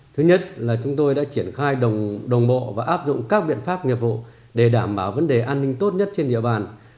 thứ nhất là chúng tôi đã triển khai đồng bộ và áp dụng các biện pháp nghiệp vụ để đảm bảo vấn đề an ninh tốt nhất trên địa bàn